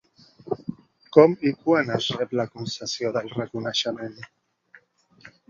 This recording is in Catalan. Com i quan es rep la concessió del reconeixement?